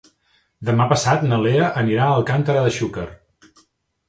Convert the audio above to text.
Demà passat na Lea anirà a Alcàntera de Xúquer.